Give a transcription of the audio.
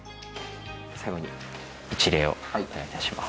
最後に一礼をお願いいたします